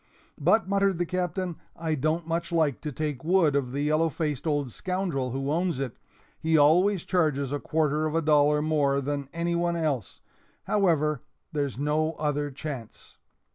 "But," muttered the Captain, "I don't much like to take wood of the yellow faced old scoundrel who owns it he always charges a quarter of a dollar more than any one else; however, there's no other chance."